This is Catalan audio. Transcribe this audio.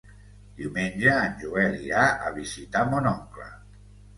Diumenge en Joel irà a visitar mon oncle.